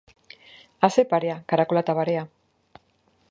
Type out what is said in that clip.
A zer parea, karakola eta barea.